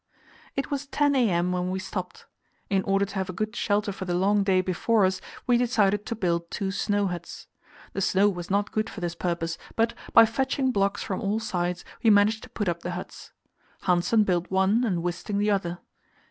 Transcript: It was 10 a.m. when we stopped. In order to have a good shelter for the long day before us, we decided to build two snow huts. The snow was not good for this purpose, but, by fetching blocks from all sides, we managed to put up the huts. Hanssen built one and Wisting the other.